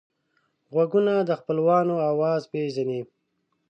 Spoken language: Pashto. غوږونه د خپلوانو آواز پېژني